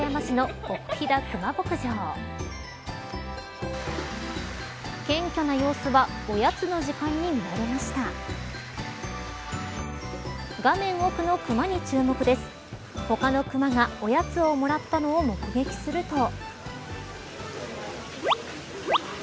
他のクマがおやつをもらったのを目撃すると。